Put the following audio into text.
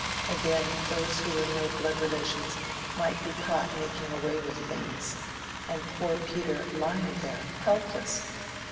Again, those who were no blood relations might be caught making away with things—and poor Peter "lying there" helpless!